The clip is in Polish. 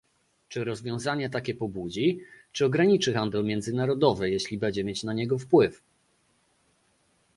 Czy rozwiązanie takie pobudzi, czy ograniczy handel międzynarodowy, jeżeli będzie mieć na niego wpływ?